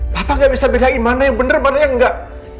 papa gak bisa bedain mana yang bener mana yang enggak